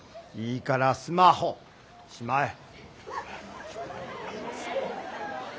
いいからスマホしまえ。